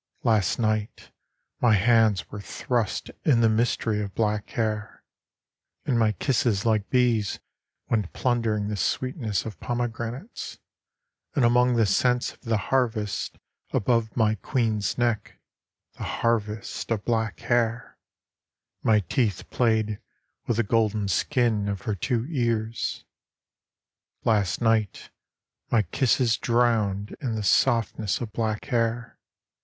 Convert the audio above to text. Last night my hands were thrust in the mystery of black hair, And my kisses like bees went plundering the sweetness of pomegranates And among the scents of the harvest above my queen's neck, the harvest of black hair ; And my teeth played with the golden skin of her two ears. Last night my kissses drowned in the softness of black hair.